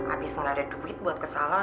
abis gak ada duit buat ke salon